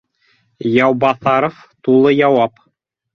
— Яубаҫаров тулы яуап